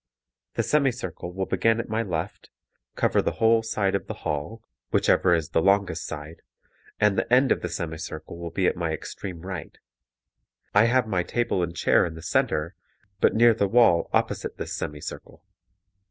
The semi circle will begin at my left, cover the whole side of the hall whichever is the longest side and the end of the semi circle will be at my extreme right. I have my table and chair in the center, but near the wall opposite this semi circle.